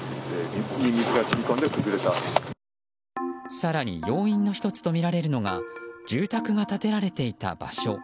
更に要因の１つとみられるのが住宅が建てられていた場所。